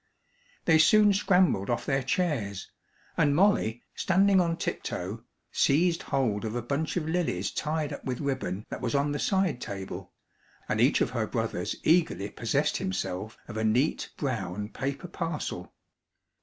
They soon scrambled off their chairs, and Molly, standing on tiptoe, seized hold of a bunch of lilies tied up with ribbon that was on the side table, and each of her brothers eagerly possessed himself of a neat brown paper parcel.